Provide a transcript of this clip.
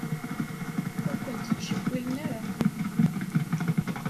Ur kent-ttcewwilen ara.